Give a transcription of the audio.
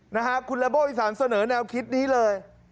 นะฮะคุณลัมโบอีสานเสนอแนวคิดนี้เลย